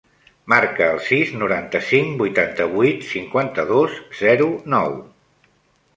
Marca el sis, noranta-cinc, vuitanta-vuit, cinquanta-dos, zero, nou.